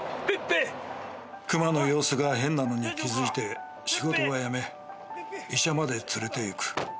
「熊の様子が変なのに気付いて仕事はやめ医者まで連れていく」